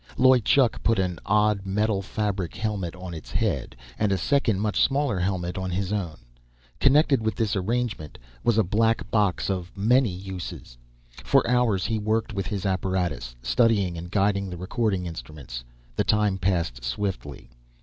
Loy Chuk put an odd, metal fabric helmet on its head, and a second, much smaller helmet on his own. Connected with this arrangement, was a black box of many uses. For hours he worked with his apparatus, studying, and guiding the recording instruments. The time passed swiftly.